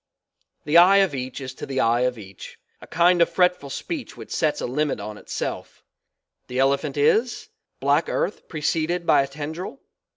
The I of each is to the I of each, a kind of fretful speech which sets a limit on itself; the elephant is? Black earth preceded by a tendril?